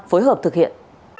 phối hợp thực hiện